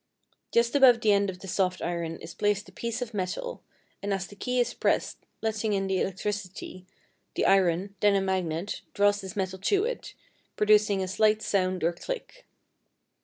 Just above the end of the soft iron is placed a piece of metal, and as the key is pressed letting in the electricity, the iron (then a magnet) draws this metal to it, producing a slight sound or click.